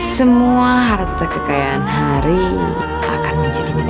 semua harta kekayaan hari akan diserah pada suku vesu